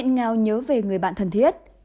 ngào nhớ về người bạn thân thiết